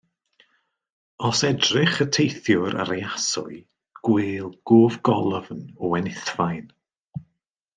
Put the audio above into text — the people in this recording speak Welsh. Os edrych y teithiwr ar ei aswy, gwêl gofgolofn o wenithfaen.